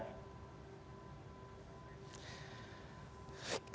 terima kasih banyak